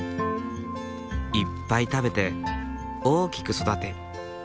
いっぱい食べて大きく育て。